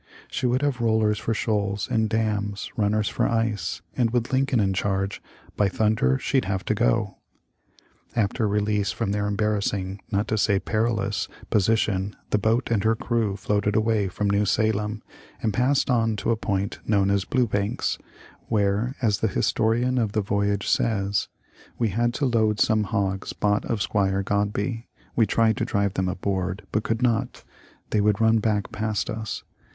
She would have rollers for shoals and dams, runners for ice, and with Lincoln in charge, " By thunder, she'd have to go !" After release from their embarrassing, not to say perilous, position the boat and her crew floated away from New Salem and passed on to a point known as Blue Banks, where as the historian of the voyage says :" We had to load some hogs bought of Squire Godbey. We tried to drive them aboard, but could not. They would run back past us.